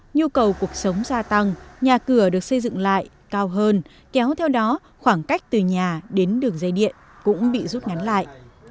nhu cầu cuộc sống gia tăng nhà cửa được xây dựng lại cao hơn kéo theo đó khoảng cách từ nhà đến đường dây điện cũng bị rút ngắn lại